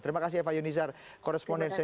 terima kasih atas cerita ini